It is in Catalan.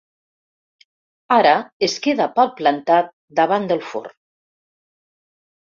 Ara es queda palplantat davant del forn.